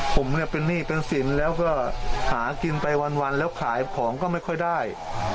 ผมเนี่ยเป็นหนี้เป็นสินแล้วก็หากินไปวันแล้วขายของก็ไม่ค่อยได้